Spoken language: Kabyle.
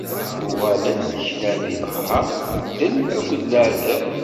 Uɣalen knan si leqher, ddel akked leɛtab.